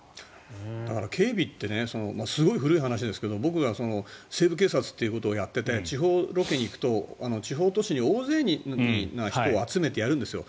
警備ってすごい古い話ですけど僕が「西部警察」ということをやっていて地方ロケに行くと地方都市に大勢の人を集めてやるんですよ。